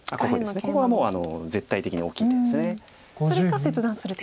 ここはもう絶対的に大きい手です。